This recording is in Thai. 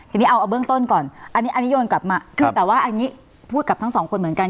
อันนี้เอาเอาเบื้องต้นก่อนอันนี้ยนต์กลับมาแต่ว่าอันนี้พูดกับทั้งสองคนเหมือนกัน